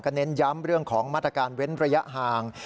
เน้นย้ำเรื่องของมาตรการเว้นระยะห่าง